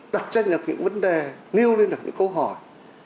đặt ra được những vấn đề nêu lên được những câu hỏi